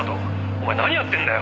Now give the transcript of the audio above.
お前何やってんだよ！」